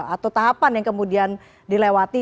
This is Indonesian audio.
atau tahapan yang kemudian dilewati